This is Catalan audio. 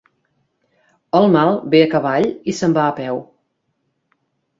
El mal ve a cavall i se'n va a peu.